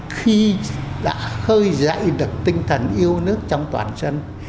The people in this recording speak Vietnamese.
khi đã khơi dậy được tinh thần yêu nước trong toàn dân